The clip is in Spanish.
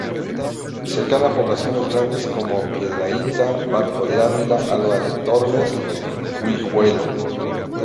Cercana a poblaciones grandes como Piedrahita, Barco de Ávila, Alba de Tormes, Guijuelo.